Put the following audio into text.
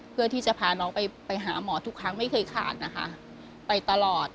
เพื่อที่จะพาน้องไปหาหมอทุกครั้งไม่เคยขาดนะคะไปตลอด